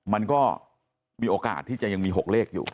มันก็มีโอกาสที่จะยังมี๖เลขอยู่